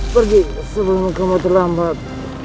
pergi sebelum kamu terlambat